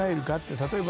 例えば。